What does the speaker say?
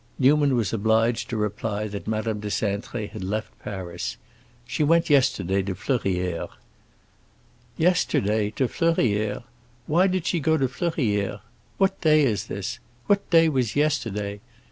Newman was obliged to reply that Madame de Cintré had left Paris. "She went yesterday to Fleurières." "Yesterday—to Fleurières? Why did she go to Fleurières? What day is this? What day was yesterday?